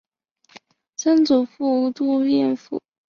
曾祖父杜彦父。